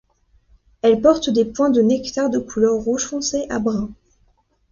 Elles portent des points de nectar de couleur rouge foncé à brun.